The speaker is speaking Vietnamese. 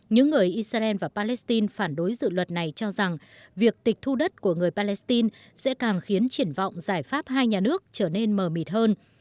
những người israel và palestine phản đối dự luật này cho rằng việc tịch thu đất của người palestine sẽ càng khiến triển vọng giải pháp hai nhà nước trở nên mờ mịt hơn